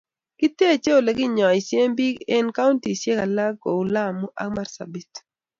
kiteche oleginyoen biik eng kauntishek alak ku lamu ago marsabit